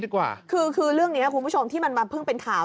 ดีกว่าคือเรื่องนี้คุณผู้ชมที่มันมาเพิ่งเป็นข่าว